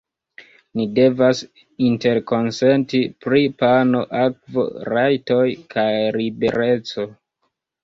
Ni devas interkonsenti pri pano, akvo, rajtoj kaj libereco.